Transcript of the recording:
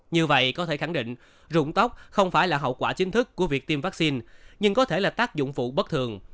như vậy có thể khẳng định dụng tóc không phải là hậu quả chính thức của việc tiêm vaccine nhưng có thể là tác dụng phụ bất thường